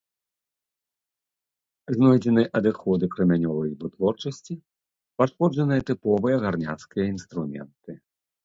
Знойдзены адыходы крамянёвай вытворчасці, пашкоджаныя тыповыя гарняцкія інструменты.